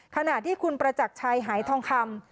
ขณะที่คุณประจักรชัยหายทองคำ